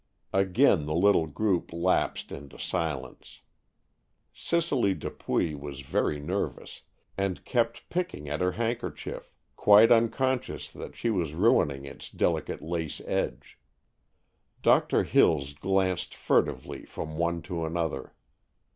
Again the little group lapsed into silence. Cicely Dupuy was very nervous, and kept picking at her handkerchief, quite unconscious that she was ruining its delicate lace edge. Doctor Hills glanced furtively from one to another.